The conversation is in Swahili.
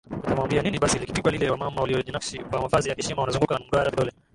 utamwambia nini Basi likipigwa lile wamama waliojinakshi kwa mavazi ya heshima wanazunguka mduara vidole